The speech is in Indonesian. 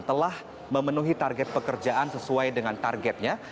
telah memenuhi target pekerjaan sesuai dengan targetnya